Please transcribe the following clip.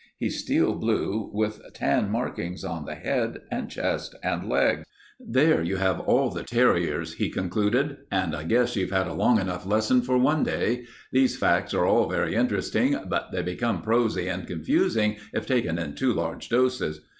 He's steel blue with tan markings on the head, chest, and legs. "There you have all the terriers," he concluded, "and I guess you've had a long enough lesson for one day. These facts are all very interesting, but they become prosy and confusing if taken in too large doses.